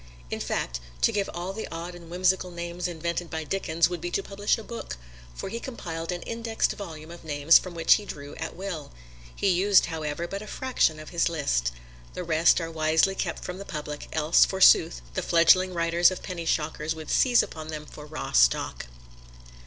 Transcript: In fact, to give all the odd and whimsical names invented by Dickens would be to publish a book, for he compiled an indexed volume of names from which he drew at will. He used, however, but a fraction of his list. The rest are wisely kept from the public, else, forsooth, the fledgling writers of penny shockers would seize upon them for raw stock.